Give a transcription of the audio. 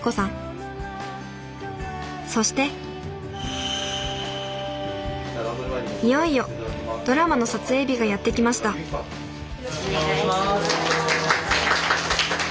そしていよいよドラマの撮影日がやって来ましたお願いします。